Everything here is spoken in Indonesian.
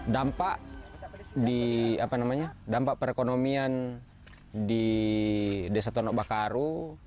dampak perekonomian di desa tonobakaru